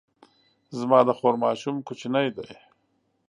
زما د خور ماشوم کوچنی دی